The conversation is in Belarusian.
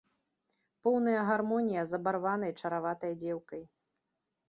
Поўная гармонія з абарванай чараватай дзеўкай.